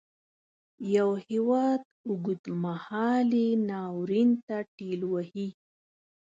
یو هیواد اوږد مهالي ناورین ته ټېل وهي.